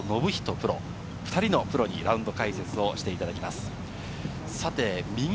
プロ、２人のプロに解説していただきます。